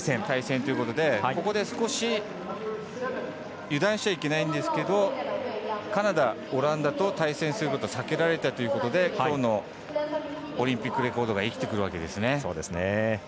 対戦ということでここで少し油断しちゃいけないんですけどカナダ、オランダと対戦することは避けられたということできょうのオリンピックレコードが生きてくるわけですね。